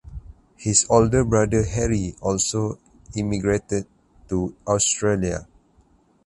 His older brother Harry also emigrated to Australia.